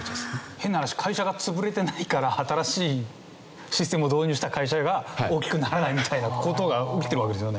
変な話会社が潰れてないから新しいシステムを導入した会社が大きくならないみたいな事が起きてるわけですよね。